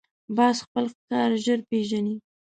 باز خپل ښکار ژر پېژني